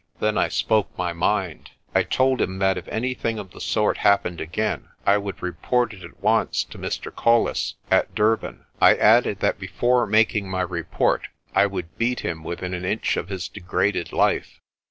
Then I spoke my mind. I told him that if anything of the sort happened again I would report it at once to Mr. Colles at Durban. I added that before mak ing my report I would beat him within an inch of his de graded life.